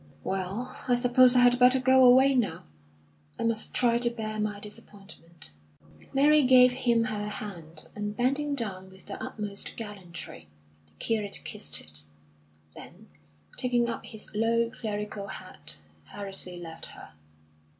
"Well, I suppose I had better go away now. I must try to bear my disappointment." Mary gave him her hand, and, bending down with the utmost gallantry, the curate kissed it; then, taking up his low, clerical hat, hurriedly left her.